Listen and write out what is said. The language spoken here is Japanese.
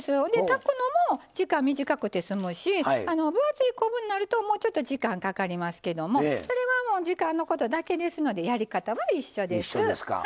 炊くのも時間短くて済むし分厚い昆布になるともうちょっと時間かかりますけどもそれは時間のことだけですのでやり方は一緒です。